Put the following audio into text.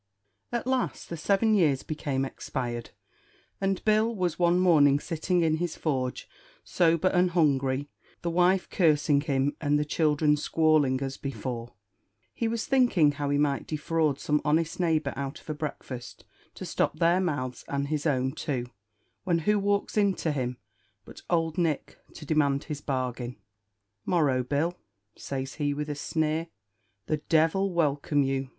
At last the seven years became expired, and Bill was one morning sitting in his forge, sober and hungry, the wife cursing him, and the childhre squalling, as before; he was thinking how he might defraud some honest neighbour out of a breakfast to stop their mouths and his own too, when who walks in to him but old Nick, to demand his bargain. "Morrow, Bill!" says he with a sneer. "The devil welcome you!"